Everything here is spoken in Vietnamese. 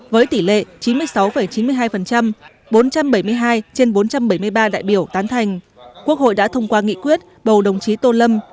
với tỷ lệ chín mươi sáu chín mươi hai bốn trăm bảy mươi hai trên bốn trăm bảy mươi ba đại biểu tán thành quốc hội đã thông qua nghị quyết bầu đồng chí tô lâm